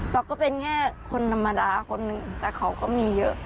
ก็เป็นแค่คนธรรมดาคนหนึ่งแต่เขาก็มีเยอะ